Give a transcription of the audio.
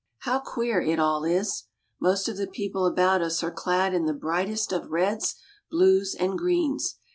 How queer it all is ! Most of the people about us are clad in the brightest of reds, blues, and greens.